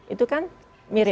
itu kan mirip